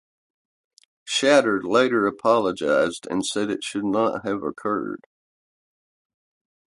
Shatter later apologised and said it should not have occurred.